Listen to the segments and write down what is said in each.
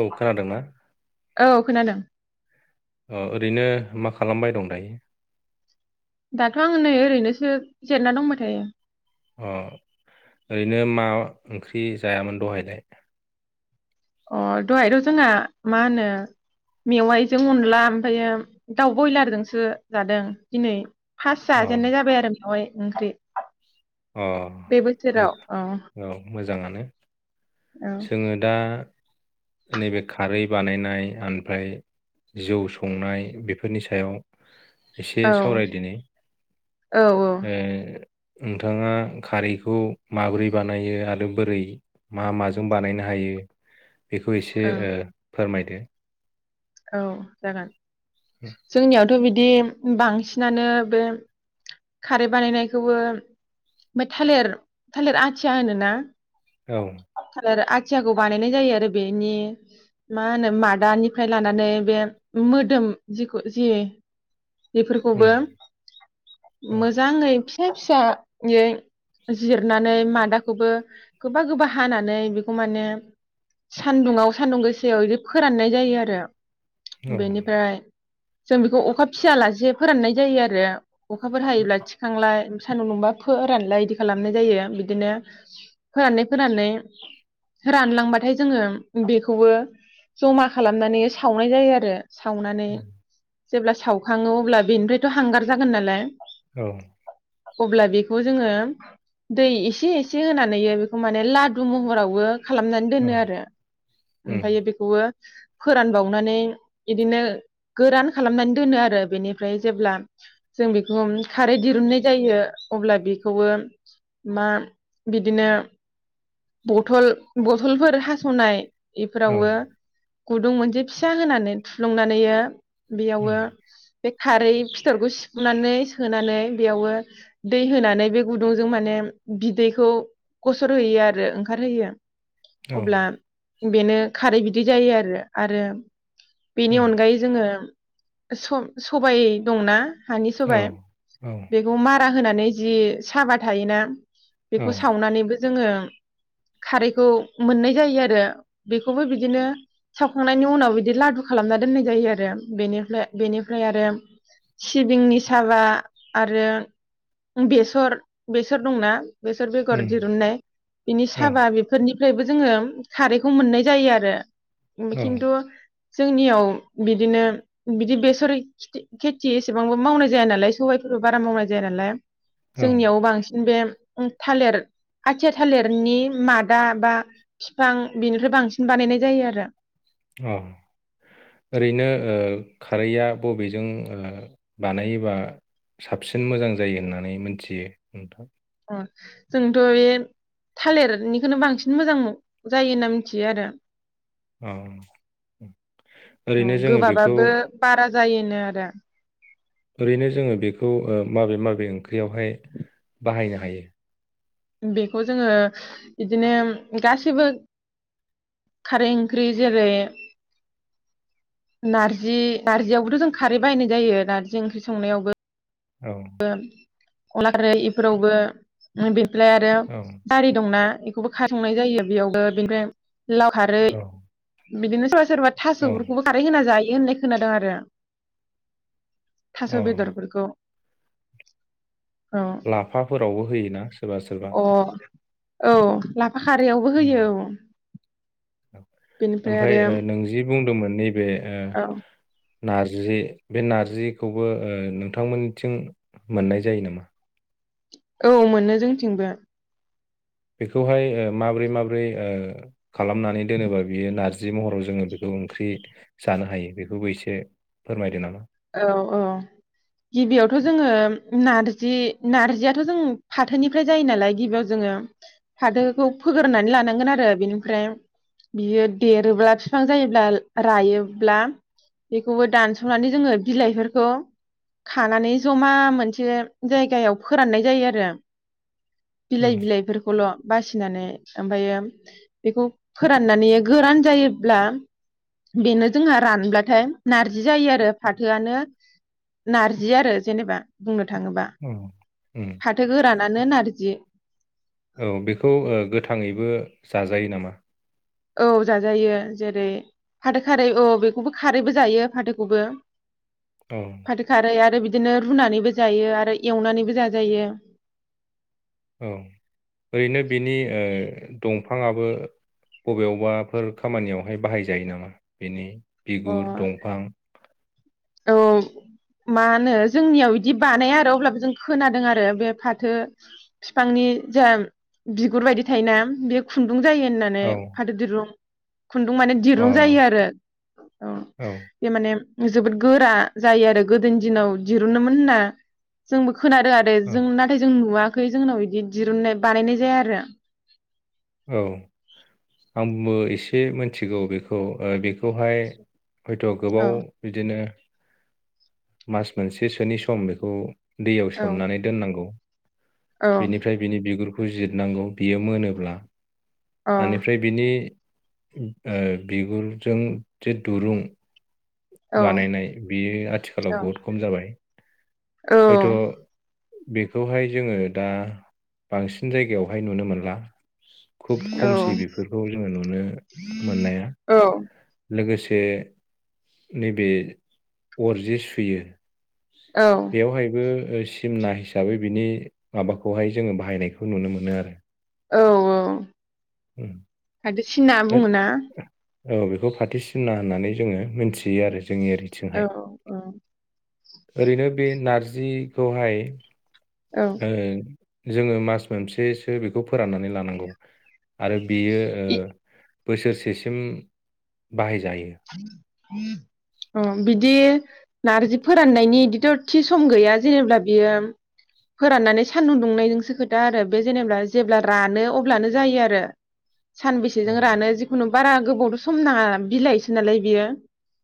औ खोनादोंना? औ खोनादों। ओरैनो मा खालामबाय दं दायो? दाथ' आं नै ओरैनोसो जिरायना दंबाय थायो। अ ओरैनो मा ओंख्रि जायामोन दहायलाय? अ दहायथ' जोंहा मा होनो मेवाइजों अनला ओमफ्रायो दाउ बयलारजोंसो जादों दिनै फास अ जाजेननाय जाबाय आरो मेवाइ ओंख्रि अ [unintelligible] औ बे बोसोराव मोज औ मोजाङानो औ जोङो दा नैबे खारै बानायनाय ओफ्राय जौ संनाय बेफोरनि सायाव एसे औ सावरायदिनि औ नोंथाङा खारैखौ माबोरै बानायो आरो बोरै मा माजों बानायनो हायो? बेखौ एसे औ ओ फोरमाय [inaudible] औ जागोन जोंनियावथ बिदि बि बांसिनानो बे खारै बानायनायखौबो थालिर थालिर आथिया होनोना औ आथिखौ बानायनाय जायो आरो बेनि मा होनो मादानि फ्राय लानानै बे मोदोम जिखौ जि उम बेफोरखौबो औ मोजाङै फिसा-फिसायै जिरनानै मादाखौबो गोबा गोबा हानानै बेखौ माने सानदुुंआव सानदुं गोसायाव बिदि फोराननाय जायो आरो। [unintelligible] बेनिफ्राय जों बेखौ अखा फियालासे फोराननाय जायो आरो। अखाफोर हायोब्ला थिखांलाय सान्दुं दुंबा फोरानलाय इदि खालामनाय जायो बिदिनो फोरानानै-फोरानै रानलांबाथाय जोङो बेखौबो जमा खालाम लामनानै सावनाय जायो आरो सावनानै जेब्ला सावखाङो अब्ला बेनिफ्रायथ हांगार जागोन नालाय औ अब्ला बेखौ जोङो दै एसे एसे होनानै बेखौ माने लादु महरावबो खालामनानै औ दोनो आरो उम ओमफायो बेखौवो फोरानबावनानै बिदिनो गोरान खालामनानै दोनो आरो बेनिफ्राय जेब्ला जों बेखौ खारै दिरुननाय जायो अब्ला बेखौवो मा बिदिनो बथल बथलफोर हासनाय औ एफोरावो गुदुं मोनसे फिसा होनानै थुफ्लुंनानैयो उम बेयावओ बे खारै फिथरखौ सिफ्रुनानै सोनानै बेयावो दै होनानै बे गुदुंजों माने बिदैखौ गसर होयो आरो ओंखारहोयो। औ अब्ला बेनो खारै बिदि जायो आरो आरो बेनि उम अनगायै जोङो स सबाय दंना? हानि औ सबाय औ बेखौ मार रा होनानै जि साबा थायोना बेखौ सावनानैबो जोङो खारैखौ मोननाय जायो आरो बेखौबो बिदिनो सावखांनायनि उनाव बिदि लादु खालामना दोननाय जायो आरो बेनिफ्राय बेनिफ्राय आरो सिबिंनि साबा आरो बेसर बेसर दंना बेसर बेगर उम दिरुननाय बिनि औ साबा बेफोरनि फ्रायबो जोङो खारैखौ मोननाय जायो आरो औ खिन्थु जोंनियाव बिदिनो बिदि बेसर खेथि एसेबांबो मावनाय जाया नालाय सबाइफोरबो बारा मावनाय जाया नालाय औ जोंनियाव बांसिन बे थालिर आथिया थालिरनि मादा बा बिफां बिनिखफ्राय बांसिन बानायनाय जायो आरो अ ओरैनो ओ खारैआ बबेजों ओ बानायोबा साबसिन मोजां जायो होननानै मिथियो नोंथां? अ जोंथ बे थालिरनिखौनो बांसिन मोजां जायो होनना मिथियो आरो औ औ ओरैनो जोङो बेखौ गोबाबाबो बारा जायोनो आरो ओरैनो जोङो बेखौ ओ माबे माबे ओं ख्रियावहाय बाहायनो हा हायो बेखौ जोङो इदिनो गासैबो खारै ओंख्रि जेरै नारजि नारजियावबोथ जों खारै बाहायनाय जायो नारजि ओंख्रि संनायावबो। औ [unintelligible] अनला खारै इफोरावबो [unintelligible] [unintelligible] औ बेखौबो [unintelligible] लाव खारै औ बिदिनो [unintelligible] सोरबा औ थास'फोरखौबो खारै होना जायो बिदि होननाय खोनादों आरो। थास' अ बेदरफोरखौ औ लाफाफोरावबो होयोना सोरबा-सोरबा। अ औ ला बेनिफ्राय आरो ओमफ्राय नों जि बुंदोंमोन नैबे ओ औ नारजि बे नारजिखौबो नोंथांमोननिथिं मोननाय जायो नामा? औ मोनो जोंथिंबो। बेखौहाय माब्रै माब्रै खालामनानै दोनोबा बियो नारजि महराव जोङो बेखौ ओंख्रि जानो हायो बेखौबो एसे फोरमायदो नामा? औ-औ गिबियावथ जोङो नारजिनार्जियाथ जों फाथोनिफ्राय जायो नालाय, गिबियाव जोङो फाथोखौ फोगोरनानै लानांगोन आरो बेनिफ्राय बियो देरोब्ला फिफां जायोब्ला रायोब्ला बेखौबो दानसनानै जोङो बिलाइफोरखौ खानानै जमा मोनसे जायगायाव फोराननाय जायो आरो। औ बिलाइ-बिलाइफोरखौल। बासिनानै ओमफायो बेखौ फोराननानै गोरान जायोब्ला बेनो जोंहा रानब्लाथाय नारजि जायो आरो। फाथोआनो नारजि आरो जेनेबा बुंनो थाङोबा औ उम फाथो गोरानानो नारजि। औ बेखौ गोथाङैबो जाजायो नामा? औ जाजायो जेरै फाथो खारै औ बेखौबो खारैबो जायो फाथोखौबो। औ फाथो खारै आरो बि बिदिनो रुनानैबो जायो आरो एवनानैबो जाजायो। औ ओरैनो बेनि ओ दं फांयाबो बबेयावबाफोर खामानियावहाय बाहायजायो नामा? बेनि अ बिगुर, दंफां। औ मा होनो जोंनियाव बिदि बानाया आरो अब्लाबो जों खोनादों आरो बे फाथो फिफांनि जा बिगुर बायदि थायोना बे खु रुं जायो होननानै औ फाथो दिरुं। खुन्दुं माने अ दिरुं जायो आरो। औ बे माने जोबोद गोरा जायो आरो गोदोनि दिनाव दिरुनोमोन होनना जोंबो खोनादो आरो जों औ नाथाय जों नुवा खै जोंनाव बिदि दिरुननाय बानायनाय जाया आरो औ आंबो एसे मिथिगौ बेखौ बेखौहाय हयथ औ गोबाव बिदिनो मास मोनसेसोनि सम बेखौ। दैयाव औ सोमनानै दोननांगौ। औ अ बिनिफ्राय बिनि बिगुर। फुजिरनांगौ बियो मोनोब्ला ओनिफ्राय बिनि ओ बिगुरजों जे दुरुं औ बानायनाय बेयो आथिखालाव बहुद खम जाबाय औ हयथ। औ बेखौहाय जोङो दा बांसिन जायगायावहाय नुनो मोनला। खुब औ खमसै बेफोरखौ जोङो नुनो मोननाया लोगोसे बे। नैबे अर जे सुयो औ बेयावहायबो। सिमना हिसाबै बिनि माबाखौहाय जोङो बाहायनायखौ नुनो मोनो आरो। औ औ उम। फाथो सिना ओर- बुङो ना औ बेखौ फाथसिना होननानै जोङो मोनथियो आरो। जोंनि औ ओरैथिंहाय औ। ओरैनो बे नारजिखौहाय। औ ओ। जोङो मास मोनसेसो बेखौ फोराननानै लानांगौ आरो बेयो ओ। बोसोरसेसिम बाहाय। [inaudible] अ बिदि नार्जि फोराननायनि बिदिथ थि सम गैया जेनेबब्ला बियो फोराननानै सानदुं दुंनायजोंसो खोथा आरो बे जेनेबा जेब्ला रानो अब्लानो जायो आरो। सानबेसेजों औ रानो जिखुनु बारा गोबावथ सम नाङा बिलाइ नालाय बियो।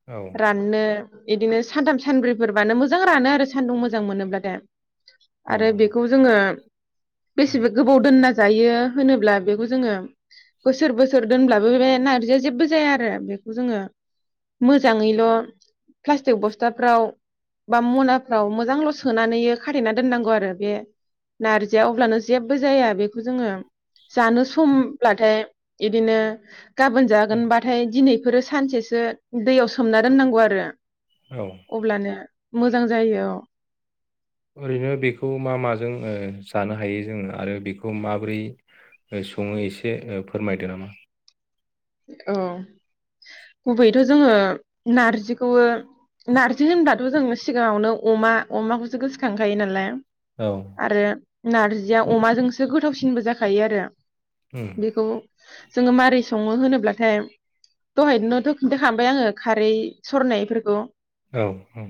औ राननो। बिदिनो सानथाम सानब्रैफोरबानो मोजां रानो आरो सान्दुं मोजां मोनोब्ला थाय। औ आरो बेखौ जोङो। उम, बेसेबा गोबाव दोनना जायो होनोब्ला बेखौ जोङो बोसोर-बोसोर दोनब्लाबो बे नारजिया जेबो जाया आरो बे बे जोङो मोजाङैल' प्लास्टिक बस्थाफ्राव बा मनाफ्राव मोजांल' सोनानै खाथेना दोननांगौ आरो बे नारजिया अब्लानो जेबो जाया, बेखौ जोङो जानो समब्लाथाय बिदिनो गाबोन उम, जागोनबाथाय दिनै बेफोरो सानसेसो दैयाव सोमना दोननांगौ आरो। औ अब्लानो मोजां जायो औ। ओरैनो बेखौ मा माजों जानो हायो जोङो आरो बेखौ माबोरै सङो एसे फोरमायदो नामा? औ गुबैयैथ' जोङो नारजिखौबो नार्जि होनबाथ' जों सिगाङावनो अमा अमाखौसो गोसोखांखायो नालाय औ आरो नारजिया अमाजोंसो गोथावसिनबो जाखायो आरो उम बेखौ जोङो मारै सङो सङो होनोब्लाथाय दहायनोथ' खिन्थाखांबाय आङो खारै सरनायफोरखौ ओं औ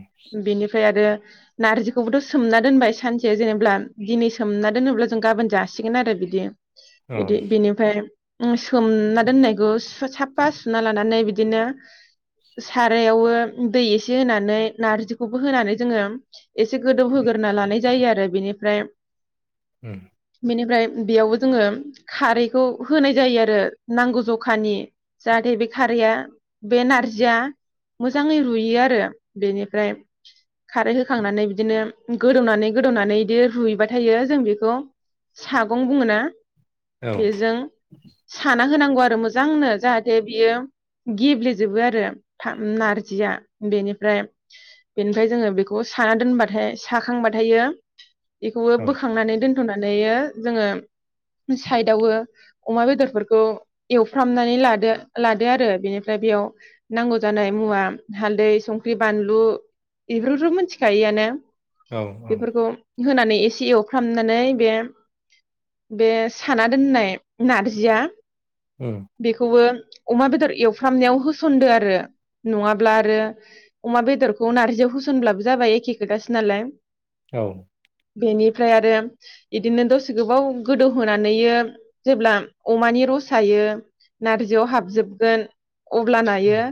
नार्जिखौबोथ' सोमना दोनबाय सानसे जेनेब्ला दिनै सोमना दोनोब्ला जों गाबोन जासिगोन आरो बिदि। औ बिदि बेनिफ्राय उम सोमना दोननायखौ साफा सुना लानानै बिदिनो सारायावबो दै एसे होनानै नारजिखौबो होनानै जोङो एसे गोदौ होग्रोना लानाय जायो आरो बेनिफ्राय उम बेनिफ्राय बेयावबो जोङो खारैखौ होनाय जायो आरो नांगौ जखानि जाहाथे बे खारैआ बे नारजिया मोजाङै रुयो आरो बेनिफ्राय खारै होखांनानै बिदिनो गोदौनानै गोदौनानै बिदि रुइबाय थायो जों बेखौ सागं बुङोना? औ बेजों साना होनांगौ आरो मोजांनो जाहाथे बियो गेब्लेजोबो आरो नारजिया बेनिफ्राय बेनिफ्राय जोङो बेखौ साना दोनबाथाय साखांबाथायो बेखौबो औ बोखांनानै दोन [unintelligible] जोङो साइदावबो अमा‌ बेदरफोर खौ एवफ्रामनानै लादो लादो आरो बेनिफ्राय बेयाव नांगौ जानाय मुवा हालदै संख्रि बानलु बेफोरखौथ' मिथिखायोआनो औ औ बेफोरखौ होनानै एसे एवफ्रामनानै बे बे साना दोननाय नारजिया बेखौबो अमा बेदर एवफ्रामनायाव होसनदो आरो नङाब्ला आरो अमा बेदरखौ नारजियाव होसनब्लाबो जाबाय एखे खोथासो नालाय औ बेनिफ्राय आरो बिदिनो दसे गोबाव गोदौहोनानै जेब्ला अमानि रस सायो नारजियाव हाबजोबगोन अब्ला नायो उम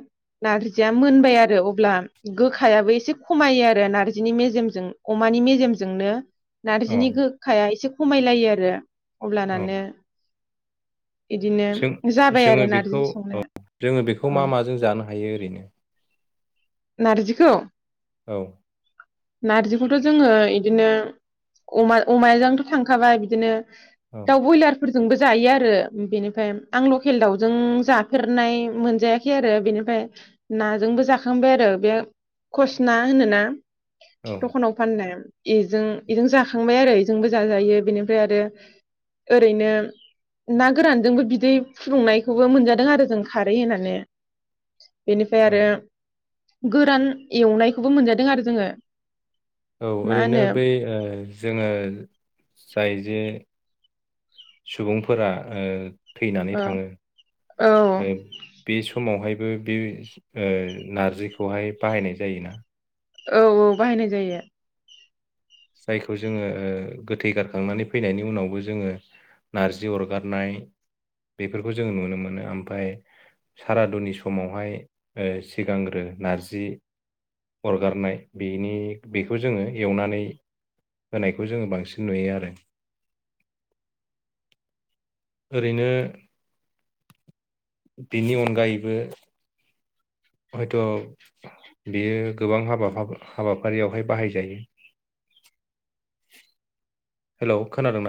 नारजिया मोनबाय आरो अब्ला गोखायाबो एसे खमायो आरो नारजिनि मेजेमजों अमानि मेजेमजोंनो औ नारजिनि गोखाया एसे खमायलायो आरो अब्लानानो इदिनो जाबाय आरो जों-जोङो नारजि बेखौ संनो औ जोङो बेखौ मा औ माजों जानो हायो ओरैनो? नारजिखौ? औ नारजिखौथ' जोङो इदिनो अमा-अमाजोंथ' थांखाबाय बिदिनो औ दाउ बयलार फोरजोंबो जायो आरो। बेनिफ्राय आं लकेल दाउजों जाफेरनाय मोनजायाखै आरो बेनिफ्राय नाजोंबो जाखांबाय आरो बे खस ना होनोना। औ दखाव फाननाय। एजों एजों जाखांबाय आरो एजोंबो जाजायो बेनिफ्राय आरो ओरैनो। ना गोरानजोंबो बिदै फुदुंनायखौबो मोनजादों आरो जों खारै हो‌नानै। बेनिफ्राय औ आरो गोरान एवनायखौबो मोनजादों आरो जोङो। औ मा ओरैनो होनो बै ओ जोङो जाय जे सुबुंफोरा ओ थैनानै औ थाङो औ बे सु समावहायबो बे नारजिखौहाय बाहायनाय जायोना? औ औ बाहायनाय जायो। जायखौ जोङो ओ गोथै गारखांनानै फैनायनि उनावबो जोङो नारजि अरगारनाय बेफोरखौ जों नुनो मोनो ओमफ्राय सारादुनि समावहाय सिगांग्रो नारजि अरगारनाय बेनि बेखौ जोङो एवनानै होनायखौ जोङो बांसिन नुयो आरो। ओरैनो बेनि अनगायैबो हयथ' बेयो गोबां हाबा हाबाफारियावहाय बाहायजायो। हेलौ खोनादोंना?